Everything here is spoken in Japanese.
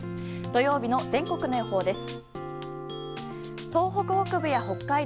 土曜日の全国の予報です。